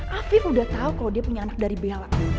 hafif sudah tahu kalau dia punya anak dari bella